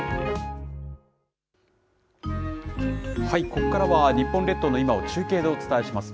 ここからは日本列島の今を中継でお伝えします。